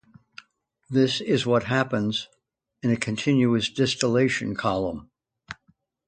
This is what happens in a continuous distillation column.